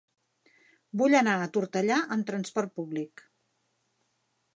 Vull anar a Tortellà amb trasport públic.